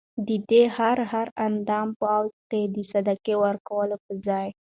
ددي هر هر اندام په عوض کي د صدقې ورکولو په ځای